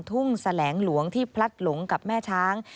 แสลงหลวงที่พลัดหลงกับแม่ช้าง